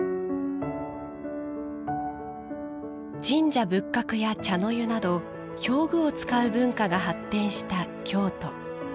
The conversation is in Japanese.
神社仏閣や茶の湯など表具を使う文化が発展した京都。